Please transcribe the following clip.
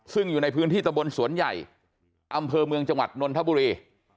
ซึ่งอยู่ในพื้นที่ตะบนสวนใหญ่อำเภอเมืองจังหวัดนนทบุรี